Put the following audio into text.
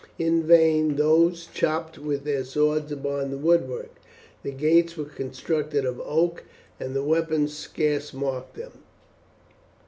In vain these chopped with their swords upon the woodwork. The gates were constructed of oak, and the weapons scarce marked them.